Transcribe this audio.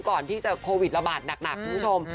ก่อนที่จะโควิดระบาดหนักคุณผู้ชม